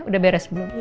udah beres belum